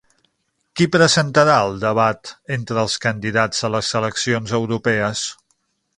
Qui presentarà el debat entre els candidats a les eleccions europees?